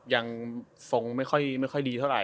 ยังทรงไม่ค่อยดีเท่าไห